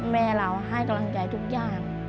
แม่เราให้กำลังใจทุกอย่าง